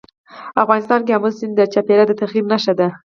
افغانستان کې آمو سیند د چاپېریال د تغیر نښه ده.